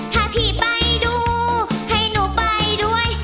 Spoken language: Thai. ถ้าพี่ไปดูให้หนูไปด้วย